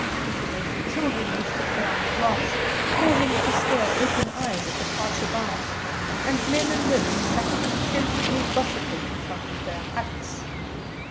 Little naked children used to play on the grass, pausing to stare open eyed at the passer by, and men and women sat contentedly gossiping in front of their huts.